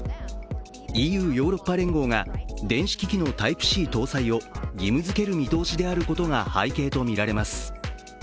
ＥＵ＝ヨーロッパ連合が電子機器のＴｙｐｅ−Ｃ搭載を義務づける見通しであることが背景とみられます。